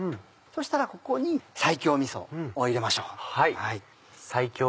そうしたらここに西京みそを入れましょう。